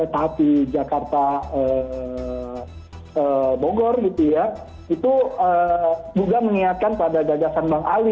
tapi jakarta bogor gitu ya itu juga mengingatkan pada gagasan bang ali